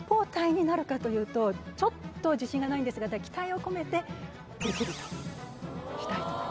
というとちょっと自信がないんですが期待を込めて「できる」としたいと思います。